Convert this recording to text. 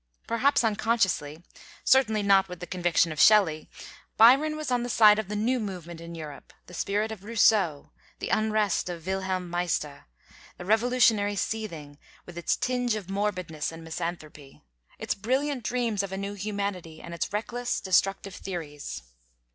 Perhaps unconsciously certainly not with the conviction of Shelley Byron was on the side of the new movement in Europe; the spirit of Rousseau, the unrest of 'Wilhelm Meister,' the revolutionary seething, with its tinge of morbidness and misanthropy, its brilliant dreams of a new humanity, and its reckless destructive theories.